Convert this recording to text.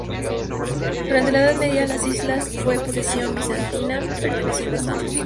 Durante la Edad Media, la isla fue posesión bizantina, perteneciendo a Samos.